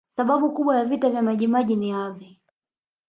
sababu kubwa ya vita vya majimaji ni ardhi